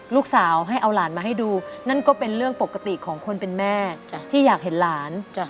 ลูกสาวให้เอาหลานมาให้ดูนั่นก็เป็นเรื่องปกติของคนเป็นแม่ที่อยากเห็นหลาน